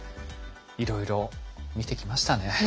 いろいろ見てきましたね。